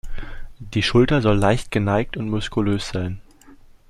Die Schulter soll leicht geneigt und muskulös sein.